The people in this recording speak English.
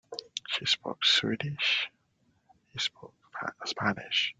She spoke Swedish, he spoke Spanish.